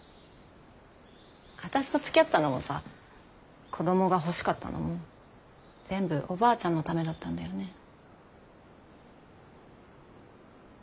私とつきあったのもさ子どもが欲しかったのも全部おばあちゃんのためだったんだよね。